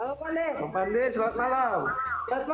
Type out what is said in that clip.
opande selamat malam